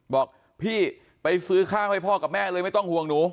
บอกพี่ไปซื้อข้าวให้พ่อกับแม่เลยไม่ต้องห่วงหนู